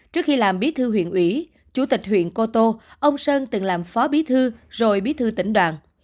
trước khi làm bí thư huyện ủy chủ tịch huyện cô tô ông sơn từng làm phó bí thư rồi bí thư tỉnh đoàn